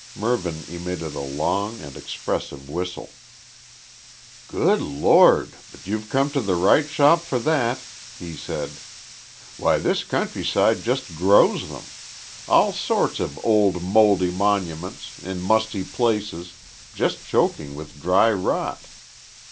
Mervyn emitted a long and expressive whistle. "Good Lord! but you've come to the right shop for that," he said. "Why this countryside just grows them. All sorts of old mouldy monuments, in musty places, just choking with dry rot.